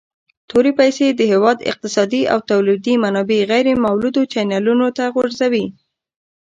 تورې پیسي د هیواد اقتصادي او تولیدي منابع غیر مولدو چینلونو ته غورځوي.